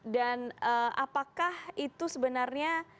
dan apakah itu sebenarnya